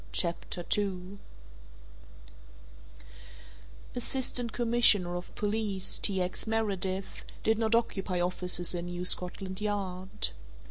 CHAPTER II Assistant Commissioner of Police T. X. Meredith did not occupy offices in New Scotland Yard.